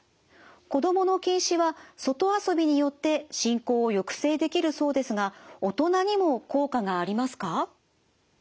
子どもの近視は外遊びによって進行を抑制できるそうですが大人にも効果がありますか？